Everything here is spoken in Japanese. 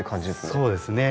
そうですね。